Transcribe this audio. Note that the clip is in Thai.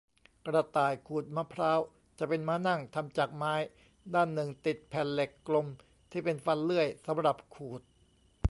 กระต่ายขูดมะพร้าว จะเป็นม้านั่งทำจากไม้ ด้านหนึ่งติดแผ่นเหล็กกลมที่เป็นฟันเลื่อย สำหรับขูด